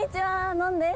のんです。